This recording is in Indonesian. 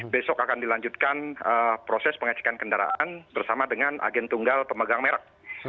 besok akan dilanjutkan proses pengecekan kendaraan bersama dengan agen tunggal pemegang merek